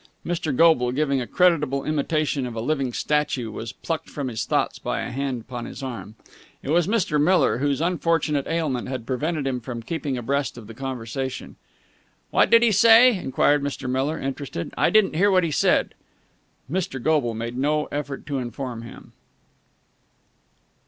Mr. Goble, giving a creditable imitation of a living statue, was plucked from his thoughts by a hand upon his arm. It was Mr. Miller, whose unfortunate ailment had prevented him from keeping abreast of the conversation. "What did he say?" enquired Mr. Miller, interested. "I didn't hear what he said!" Mr. Goble made no effort to inform him.